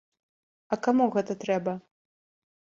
А каму гэта трэба?